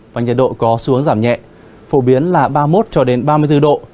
và nhiệt độ có xuống giảm nhẹ phổ biến là ba mươi một cho đến ba mươi bốn độ